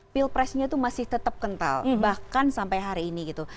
pilpresnya itu masih tetap kental bahkan sampai hari ini gitu